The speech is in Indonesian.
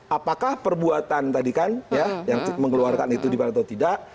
apakah perbuatan tadi kan ya yang mengeluarkan itu di mana atau tidak